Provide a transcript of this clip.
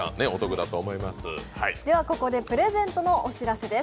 ここでプレゼントのお知らせです。